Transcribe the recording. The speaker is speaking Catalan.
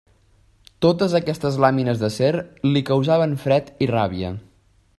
Totes aquestes làmines d'acer li causaven fred i ràbia.